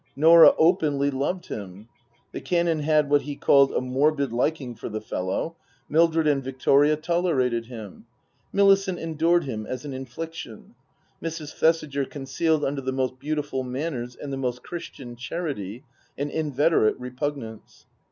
Norah openly loved him. The Canon had what he called " a morbid liking for the fellow." Mildred and Victoria tolerated him. Millicent endured him as an infliction. Mrs. Thesi ger concealed under the most beautiful manners and the most Christian charity an inveterate repugnance.